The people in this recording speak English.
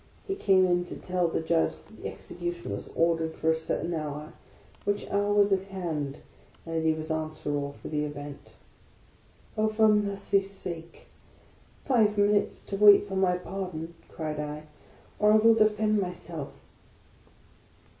He came in to tell the Judge that the execution was ordered for a certain hour, which hour was at hand, and that he was answerable for the event. " Oh, for mercy's sake ! five minutes to wait for my par don," cried I, " or I will defend myself."